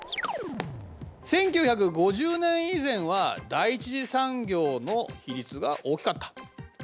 １９５０年以前は第１次産業の比率が大きかった。